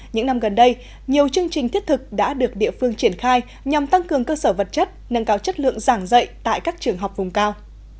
những năm gần đây nhiều chương trình thiết thực đã được địa phương triển khai nhằm tăng cường cơ sở vật chất nâng cao chất lượng giảng dạy tại các trường học vùng cao